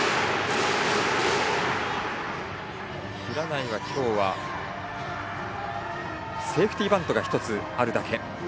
平内は今日セーフティーバントが１つあるだけ。